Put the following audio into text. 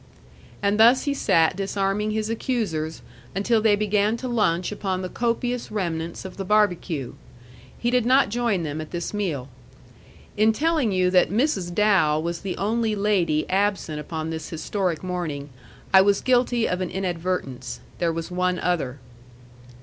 And thus he sat disarming his accusers until they began to lunch upon the copious remnants of the barbecue. He did not join them at this meal. In telling you that Mrs. Dow was the only lady absent upon this historic morning, I was guilty of an inadvertence. There was one other.